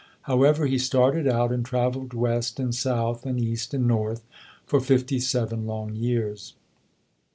However, he started out and traveled west and south and east and north for fifty seven long years.